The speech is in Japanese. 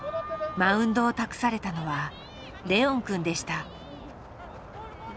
マウンドを託されたのはレオンくんでした。